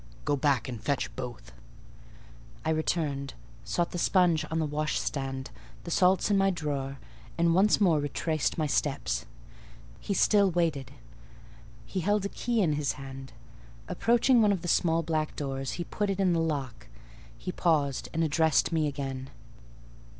"Go back and fetch both." I returned, sought the sponge on the washstand, the salts in my drawer, and once more retraced my steps. He still waited; he held a key in his hand: approaching one of the small, black doors, he put it in the lock; he paused, and addressed me again.